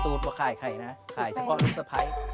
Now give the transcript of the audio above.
กว่าขายไข่นะขายเฉพาะลูกสะพ้าย